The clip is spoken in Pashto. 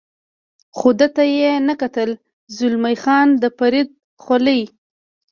خو ده ته یې نه کتل، زلمی خان د فرید خولۍ.